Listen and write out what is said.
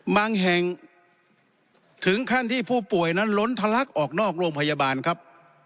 แห่งถึงขั้นที่ผู้ป่วยนั้นล้นทะลักออกนอกโรงพยาบาลครับ